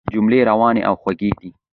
جملې روانې او خوږې دي.